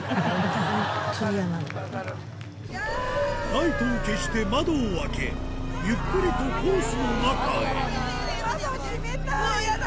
ライトを消して窓を開けゆっくりとコースの中へうわぁ嫌だ！